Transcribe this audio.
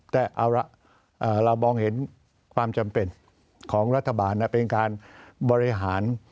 แต่เอาละเรามองเห็นความจำเป็นของรัฐบาลเป็นการบริหาร